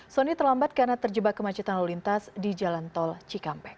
soni terlambat karena terjebak kemacetan lalu lintas di jalan tol cikampek